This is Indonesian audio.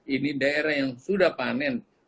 ini daerah yang sudah panen